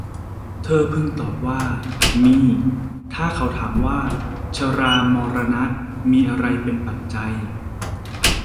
เธอพึงตอบว่า มี ถ้าเขาถามว่า ชรามรณะมีอะไรเป็นปัจจัย